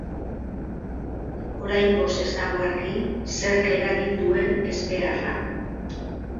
Oraingoz ez dago argi zerk eragin duen ezbeharra.